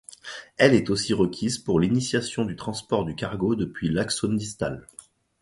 Elle est aussi requise pour l'initiation du transport du cargo depuis l'axone distale.